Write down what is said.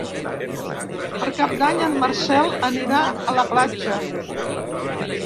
Per Cap d'Any en Marcel anirà a la platja.